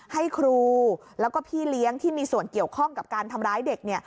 ให้ครูแล้วก็พี่เลี้ยงที่มีส่วนเกี่ยวข้องกับการทำร้ายเด็ก